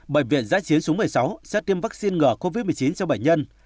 bệnh viện giã chiến số một mươi sáu sẽ tiêm vaccine ngừa covid một mươi chín cho bệnh nhân